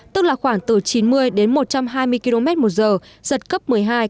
tức là khoảng từ chín mươi đến một trăm hai mươi km một giờ giật cấp một mươi hai một mươi ba